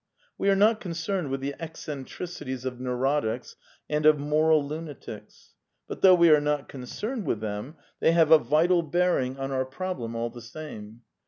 ^ We are not concerned witii the eccentricities of neurotics and of moral lunatics. But though we are not concerned with them, they have a vital bearing on our 6 A DEFENCE OF IDEALISM problem all the same.